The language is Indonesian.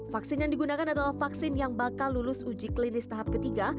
vaksin yang digunakan adalah vaksin yang bakal lulus uji klinis tahap ketiga